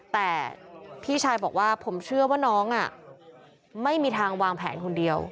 แต่พี่ชายบอกว่าผมเชื่อว่าน้องไม่มีทางวางแผนคนเดียว